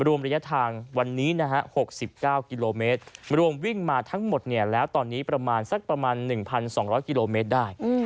รวมระยะทางวันนี้นะฮะ๖๙กิโลเมตรรวมวิ่งมาทั้งหมดแล้วตอนนี้ประมาณสักประมาณ๑๒๐๐กิโลเมตรได้